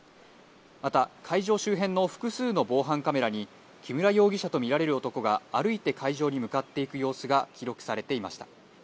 また会場周辺の複数の防犯カメラに、木村容疑者と見られる男が歩いて会場に向かっていく様子が記録されていました。